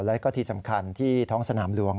แล้วก็ที่สำคัญที่ท้องสนามหลวง